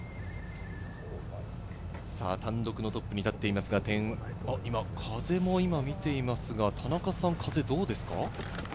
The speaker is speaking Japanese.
単独のトップに立っていますが、風も今見ていますが、風はどうですか？